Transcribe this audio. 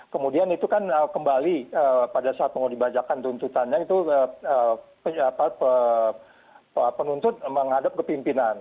kemudian itu kan kembali pada saat mau dibacakan tuntutannya itu penuntut menghadap ke pimpinan